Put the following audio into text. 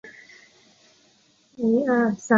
沃埃夫尔地区圣伊莱尔人口变化图示